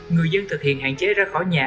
người dân thực hiện hạn chế ra khỏi nhà